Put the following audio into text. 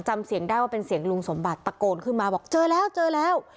จำเสียงได้ว่าเป็นเสียงลุงสมบัติตะโกนขึ้นมาบอกเจอแล้วเจอแล้ว